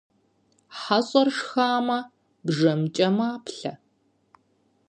ХьэщIэр шхамэ, бжэмкIэ маплъэ